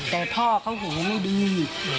แต่พ่อเขาหูไม่ดี